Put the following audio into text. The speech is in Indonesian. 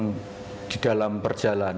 sekarang ini sedang di dalam perjalanan